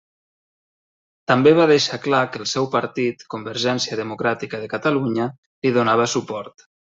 També va deixar clar que el seu partit, Convergència Democràtica de Catalunya, li donava suport.